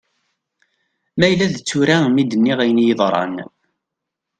Ma yella d tura mi d-nniɣ ayen iyi-yeḍran.